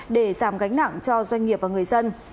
để giảm gánh nặng cho doanh nghiệp và người dân